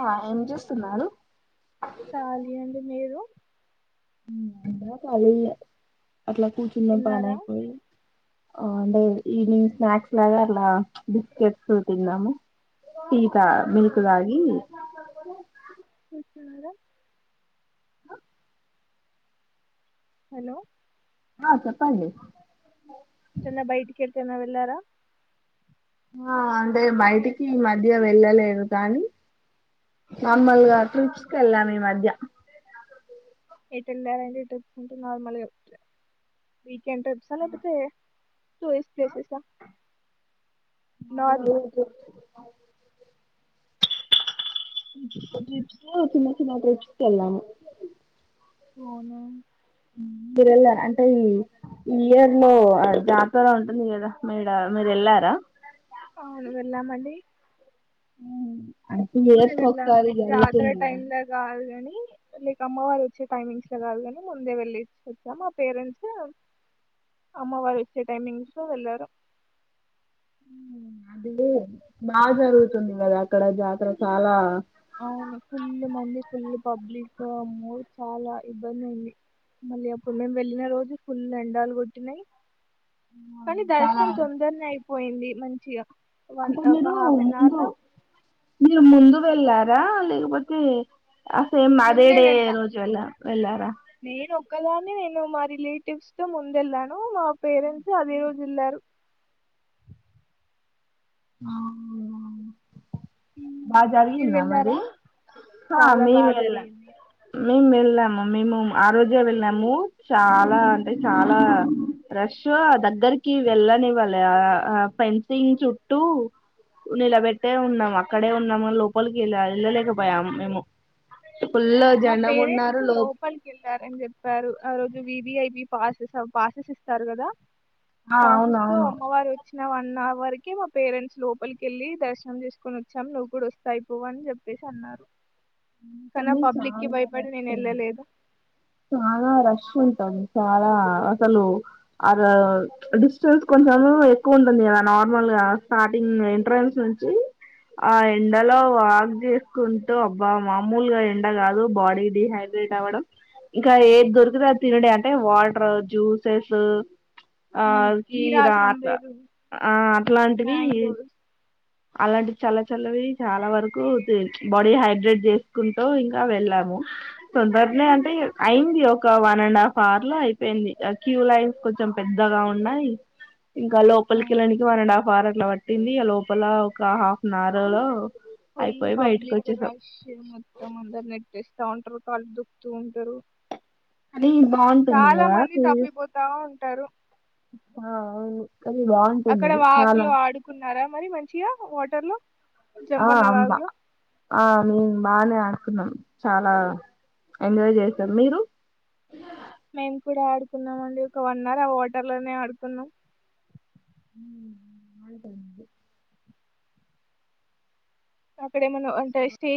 ఆ ఏం చేస్తున్నారు కాలి అండి మీరు అంటా కలి అట్లా కూచున్న పాని తిన్నారా ఐపోయి అంటే ఈవినింగ్ స్నాక్స్ లాగా అలా బిస్కెట్స్ తిన్నాముటీ మిల్క్ తాగి కూడా అదా హలో ఆ చెప్పండి యేలా వెళ్ళారా ఆ అంటే బయటికి ఈ మధ్య వెళ్ళలేదు కానీ మ్మ్. మాములుగా ట్రిప్స్ వెళ్ళాం ఈ మధ్య ఎటు ఎల్లారండీ ట్రిప్స్ కి నార్మల్గా గెంటి వచ్చాసారా లేదంటే టూరిస్ ప్లేసెస్ అ ఆ పో చిన్న చిన్న బీచ్ కి వెళ్ళాము అవును మీరు వెళ్లారా అంటే ఈ ఈ ఇయర్ లో జాతర ఉంటుంది. కదా మీడ మీరు వెళ్లారా. అవును వెళ్ళామండి ఉ అంటే టు ఊరే ఇయర్స్ కి వెళ్ళాం ఒస్తాది లైక్ జాతర ఎల్లచూరా టైమ్ లో కాదు కాని లైక్ అమ్మవారు వచ్చే టైమింగ్స్ లో కాదు. కాని ముందే వెళ్లేసి వచ్చాం. మా పేరెంట్స్ అమ్మవారు వచ్చే టైమింగ్స్ లో వెళ్ళారు. అది బాగ జరుగుతుంది కదా అక్కడ జాతర చాలా అవును ఫుల్ మంది ఫుల్ పబ్లిక్ అమ్ము చాలా ఇబ్బంది అయింది. మళ్ళీ అప్పుడు మేము వెళ్ళిన రోజు ఫుల్ ఎండలు కొట్టినయి. కానీ చాలా దర్శనం తొందరనే అయి పోయింది మంచిగా వన్ అంటే ఒక మీరు హాఫ్ అన్ ముందు అవర్‌లో మీర్ ముందు ఎల్లారా లేకపోతే ఆ సేమ్ అదే ముందే డే వెళ్ళా. రోజు వెళ్ళ వెళ్ళారా ఒక్కదాని నేను మా రిలేటివ్స్ తో ముందు వెళ్ళాను మా పేరెంట్స్ అదే రోజు వెళ్లారు ఆ హ్మ్. మీరు బాజరిగింద వెళ్లారా? మరి సా చాలా బా మేవెఎల జరిగింది. మేము వెళ్ళాము. మేము ఆ రోజే వెళ్ళాము. చాలా అంటే చాలా రష్ ఆ దగ్గరికి వెళ్ళనివ్వలె. ఆ ఫెన్సింగ్ చుట్టూ నిలబెట్టే ఉన్నాముక్ అక్కడే ఉన్నామ లోపలకి వెళ్ళా వెళ్ళలేకపోయాం ము మా పేరెంట్స్ లో లోపలికి వెళ్ళారని చెప్పారు ఆ రోజు విఐ మీ పాసెస్ పాసెస్ ఇస్తారు కదా ఆ పాసెస్తో అవునవును అమ్మవారు వచ్ వన్ అవర్ కి మా పేరెంట్స్ లోపలికెళ్ళి దర్శనం చేసుకొని వచ్చాం. నువ్వు కూడా వస్తే అయిపోవు అని చెప్పేసి అన్నారు. కాన్నా కానీ పబ్లిక్ కి చాలా భయపడి నేను రష్ వెళ్ళలేదు చాలా రష్ ఉంటది. చాలా అసలు అ డిస్టెన్స్ కొంచెం ఎక్కువ ఉంటుంది కదా. నార్మల్గా స్టార్టింగ్ ఎంట్రెన్స్ నుంచి ఆ ఎండలో ఉమ్. వాక్ చేసుకుంటూ, అబ్బా మామూలుగా ఎండ కాదు బాడీ డిహైడ్రేట్ అవ్వడం. ఇంకా ఏది దొరికితే అ తినుడే అంటే వాటర్, జ్యూసెస్. ఆ అవును అకి కీరా రా అట్లా సంబేరు ఆ అట్లాంటివి మ్యాంగోస్ అలాంటి చల్ల చల్లవి చాలా వరకు బాడీ హైడ్రేట్ చేసుకుంటూ ఇంకా వెళ్ళాము తొందరనే అంటే అయింది. ఒక వన్ అండ్ హాఫ్ అవర్ లో అయిపోయింది. క్యూ లైన్స్ కొంచెం పెద్దగా ఉన్నాయి. ఇంకా లోపలి అవును కెల్లనికి వన్ అండ్ హఫ్ అవర్ అట్లా పట్టిం పట్టింది ఆ లోపల ఒక half an hour full public rush మొత్తం అందరు నెట్టేస్తా ఉంటరు కాళ్లు దొక్కుతూ ఉంటరు అది బాగుంటుంది చాలా కదా మంది టూరిస్ట్. తప్పిపోతా ఉంటరు ఆ అవును అది అక్కడ బాగుంటుంది చాలా వాగులో ఆడుకున్నారా మరి మంచిగా వాటర్ లో ఆ జంపన్న అంబా వాగులో ఆ మీన్ బానే ఆ అకున్నం చాలా ఎంజాయ్ చేసం మీరు మేము కూడా ఆడుకున్నాం అండి ఒక వన్ అవర్ ఆ వాటర్ లోనే ఆడుకున్నం ఊ ఊ ఆల్ట్ [unintelligible] ఐంది చప్ ఇక్కడేమన అంత స్టేజ్